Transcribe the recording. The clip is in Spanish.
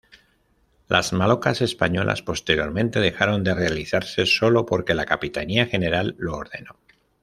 Las malocas españolas posteriormente dejaron de realizarse solo porque la Capitanía General lo ordenó.